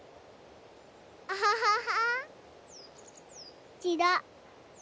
アハハハハ。